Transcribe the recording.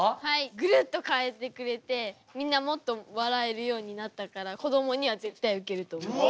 グルッと変えてくれてみんなもっと笑えるようになったからこどもには絶対ウケると思います。